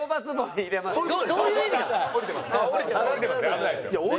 危ないですよ。